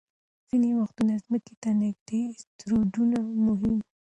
ځینې وختونه ځمکې ته نږدې اسټروېډونه مهم وي.